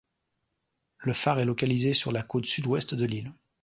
Le phare est localisé sur la côte sud-ouest de l'île.